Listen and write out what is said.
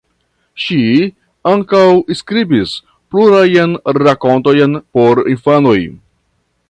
Ŝi ankaŭ skribis plurajn rakontojn por infanoj.